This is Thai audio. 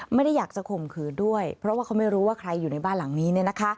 ไม่ได้อยากจะข่มขืนด้วยเพราะว่าเขาไม่รู้ว่าใครอยู่ในบ้านหลังนี้